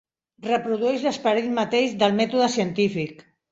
Reprodueix l'esperit mateix del mètode científic.